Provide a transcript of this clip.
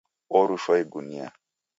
Orushwa igunia